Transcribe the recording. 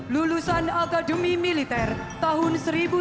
lulusan akademi militer tahun seribu sembilan ratus sembilan puluh